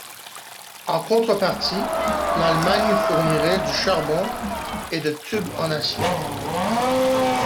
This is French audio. En contrepartie, l'Allemagne fournirait du charbon et de tubes en acier.